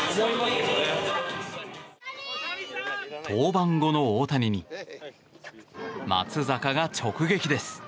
登板後の大谷に松坂が直撃です。